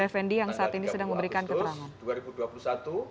alhamdulillah pada hari ini tanggal tiga puluh agustus dua ribu dua puluh satu